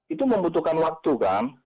itu membutuhkan waktu kan